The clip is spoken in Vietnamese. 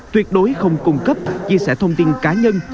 tuyệt đối không cung cấp chia sẻ thông tin cá nhân